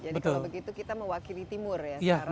jadi kalau begitu kita mewakili timur ya sekarang